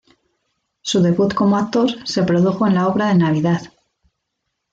Su debut como actor se produjo en la obra de Navidad.